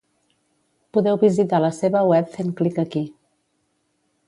Podeu visitar la seva web fent clic aquí.